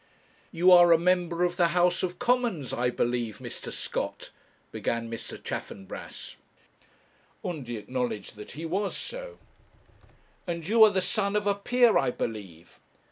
'You are a member of the House of Commons, I believe, Mr. Scott?' began Mr. Chaffanbrass. Undy acknowledged that he was so. 'And you are the son of a peer, I believe?'